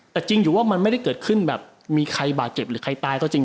แต่จริงอยู่ว่ามันไม่ได้เกิดขึ้นแบบมีใครบาดเจ็บหรือใครตายก็จริง